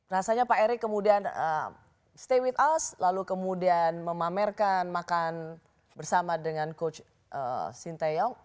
rasanya pak erik kemudian stay with us lalu kemudian memamerkan makan bersama dengan coach sintayong